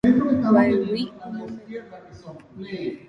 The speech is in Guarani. G̃uaig̃ui omombe'u.